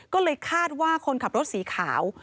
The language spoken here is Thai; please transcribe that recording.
ก็เลยคาดว่าคนขับรถสีขาว